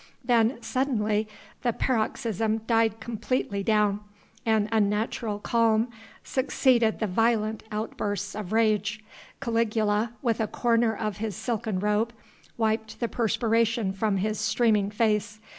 Then suddenly the paroxysm died completely down. An unnatural calm succeeded the violent outbursts of rage. Caligula, with a corner of his silken robe, wiped the perspiration from his streaming face.